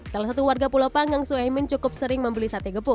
salah satu warga pulau panggang suemin cukup sering membeli sate gepuk